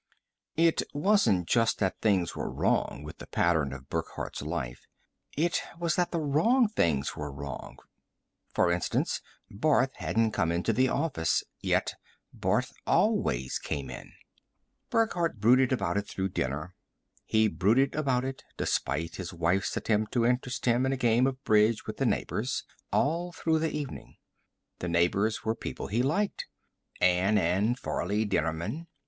It wasn't just that things were wrong with the pattern of Burckhardt's life; it was that the wrong things were wrong. For instance, Barth hadn't come into the office, yet Barth always came in. Burckhardt brooded about it through dinner. He brooded about it, despite his wife's attempt to interest him in a game of bridge with the neighbors, all through the evening. The neighbors were people he liked Anne and Farley Dennerman.